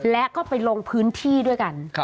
และก็ไปลงพื้นที่ด้วยกัน